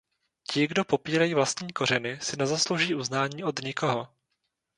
Ti, kdo popírají vlastní kořeny, si nezaslouží uznání od nikoho.